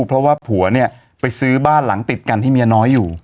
เพราะว่าผัวเนี่ยไปซื้อบ้านหลังติดกันที่เมียน้อยอยู่